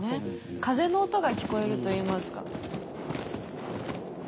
風の音が聞こえるといいますか。